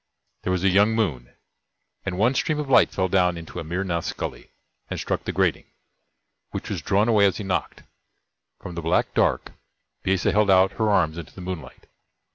There was a young moon, and one stream of light fell down into Amir Nath's Gully, and struck the grating, which was drawn away as he knocked. From the black dark, Bisesa held out her arms into the moonlight.